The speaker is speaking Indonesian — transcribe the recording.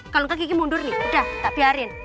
kalau enggak kiki mundur nih udah tak biarin